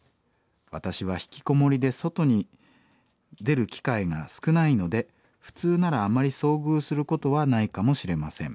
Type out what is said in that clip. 私はひきこもりで外に出る機会が少ないので普通ならあまり遭遇することはないかもしれません。